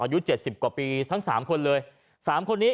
อายุเจ็ดสิบกว่าปีทั้งสามคนเลยสามคนนี้